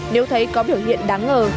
nếu thấy có biểu hiện đáng ngờ